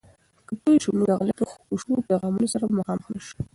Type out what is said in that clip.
که پوه سو، نو د غلطو خوشو پیغامونو سره به مخامخ نسو.